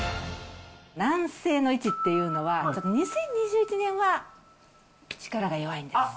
南西の位置っていうのは、ちょっと２０２１年は力が弱いんです。